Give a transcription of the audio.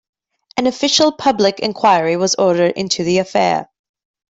An official public enquiry was ordered into the affair.